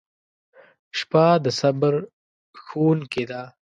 • شپه د صبر ښوونکې ده.